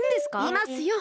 いますよ